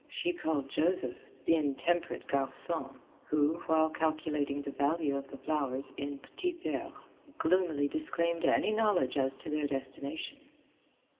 She called Joseph, the intemperate garçon, who, while calculating the value of the flowers in petits verres, gloomily disclaimed any knowledge as to their destination.